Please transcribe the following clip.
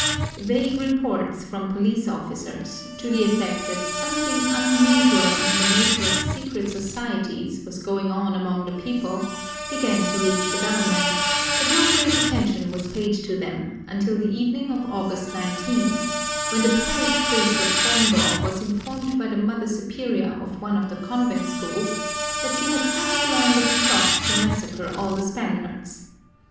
Vague reports from police officers, to the effect that something unusual in the nature of secret societies was going on among the people, began to reach the government, but no great attention was paid to them, until the evening of August nineteenth, when the parish priest of Tondo was informed by the mother superior of one of the convent schools that she had just learned of a plot to massacre all the Spaniards.